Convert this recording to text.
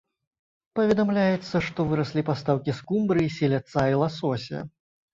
Паведамляецца, што выраслі пастаўкі скумбрыі, селядца і ласося.